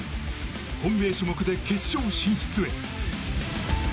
本命種目で決勝進出へ。